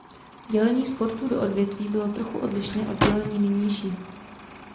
Dělení sportů do odvětví bylo trochu odlišné od dělení nynějšího.